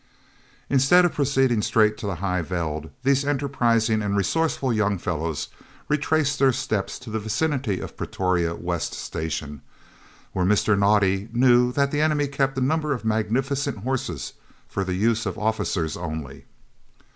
Instead of proceeding straight to the High Veld, these enterprising and resourceful young fellows retraced their steps to the vicinity of the Pretoria West Station, where Mr. Naudé knew that the enemy kept a number of magnificent horses for the use of officers only.